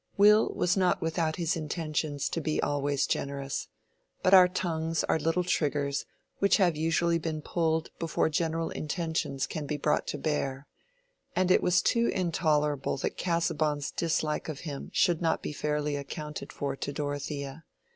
Will was not without his intentions to be always generous, but our tongues are little triggers which have usually been pulled before general intentions can be brought to bear. And it was too intolerable that Casaubon's dislike of him should not be fairly accounted for to Dorothea.